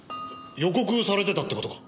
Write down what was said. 予告されてたって事か？